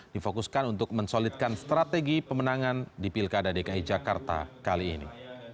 difokuskan untuk mensolidkan strategi pemenangan di pilkada dki jakarta kali ini